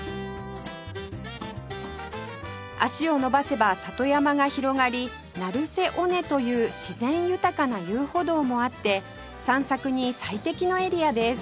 足を延ばせば里山が広がり成瀬尾根という自然豊かな遊歩道もあって散策に最適のエリアです